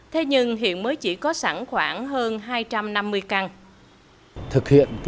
thế nhưng hiện mới chỉ có sẵn khoảng hơn hai trăm năm mươi căn